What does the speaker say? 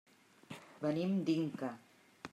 Venim d'Inca.